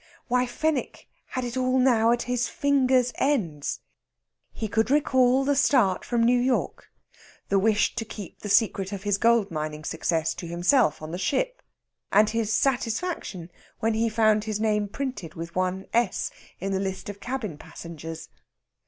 Why, Fenwick had it all now at his fingers' ends. He could recall the start from New York, the wish to keep the secret of his gold mining success to himself on the ship, and his satisfaction when he found his name printed with one s in the list of cabin passengers.